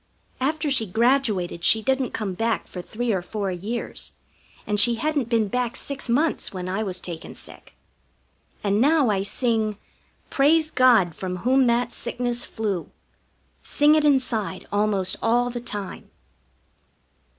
After she graduated she didn't come back for three or four years, and she hadn't been back six months when I was taken sick. And now I sing: "Praise God from whom that sickness flew." Sing it inside almost all the time.